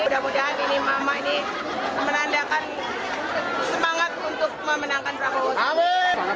mudah mudahan ini mama ini menandakan semangat untuk memenangkan prabowo sandi